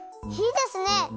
いいですね！